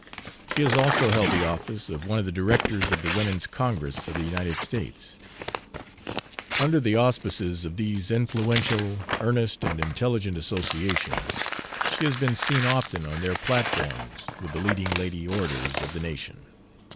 She has also held the office of one of the Directors of the Women's Congress of the United States. Under the auspices of these influential, earnest, and intelligent associations, she has been seen often on their platforms with the leading lady orators of the nation.